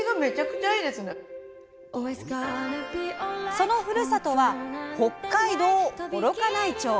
そのふるさとは北海道・幌加内町。